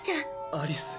アリス。